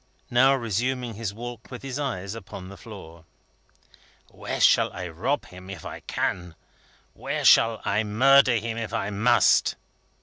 now, resuming his walk with his eyes upon the floor. "Where shall I rob him, if I can? Where shall I murder him, if I must?"